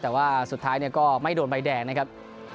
แต่ว่าสุดท้ายก็ไม่โดนใบแดงนะครับ